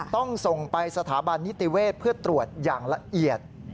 ต้องส่งไปสถาบันนิติเวศเพื่อตรวจอย่างละเอียด